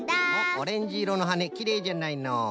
オレンジいろのはねきれいじゃないの。